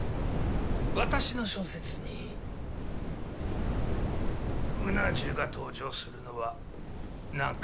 私の小説にうな重が登場するのは何回だ？